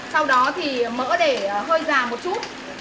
sau đó thì mỡ để hơi già một chút